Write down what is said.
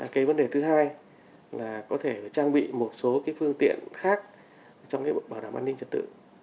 cái vấn đề thứ hai là có thể trang bị một số phương tiện khác trong cái bảo đảm an ninh trật tự